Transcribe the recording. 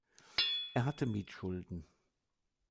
Er hatte Mietschulden.